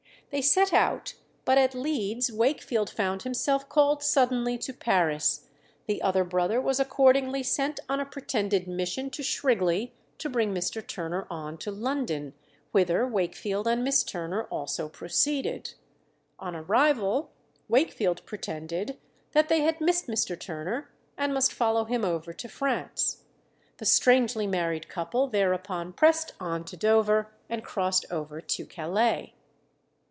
They set out, but at Leeds Wakefield found himself called suddenly to Paris; the other brother was accordingly sent on a pretended mission to Shrigley to bring Mr. Turner on to London, whither Wakefield and Miss Turner also proceeded. On arrival, Wakefield pretended that they had missed Mr. Turner, and must follow him over to France. The strangely married couple thereupon pressed on to Dover, and crossed over to Calais.